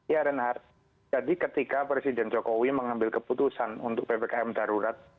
ya reinhardt jadi ketika presiden jokowi mengambil keputusan untuk ppkm darurat